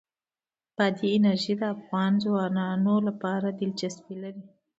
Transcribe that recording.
بادي انرژي د افغان ځوانانو لپاره دلچسپي لري.